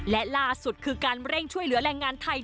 และล่าสุดคือการเร่งช่วยเหลือแรงงานไทย